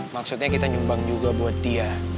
maksudnya kita nyumbang juga buat dia